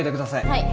はい。